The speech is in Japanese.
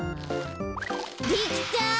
できた！